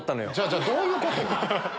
じゃあどういうこと？